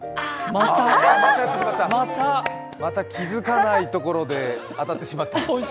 またやってしまった、また気づかないところで当たってしまった。